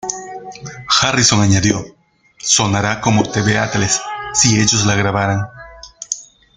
Harrison añadió: "Sonará como The Beatles si ellos la grabaran...